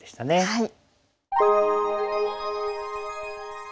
はい。